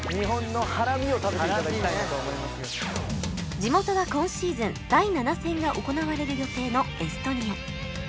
地元は今シーズン第７戦が行われる予定のエストニア